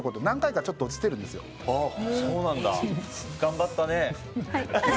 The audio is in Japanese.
何回か落ちてるんですよ。頑張ったね。